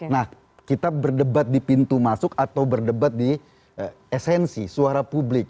nah kita berdebat di pintu masuk atau berdebat di esensi suara publik